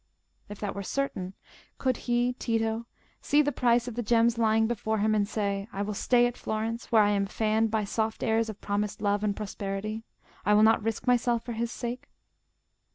If that were certain, could he, Tito, see the price of the gems lying before him, and say, "I will stay at Florence, where I am fanned by soft airs of promised love and prosperity; I will not risk myself for his sake"?